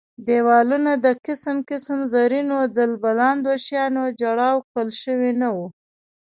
دېوالونه د قسم قسم زرینو ځل بلاندو شیانو جړاو کړل شوي نه وو.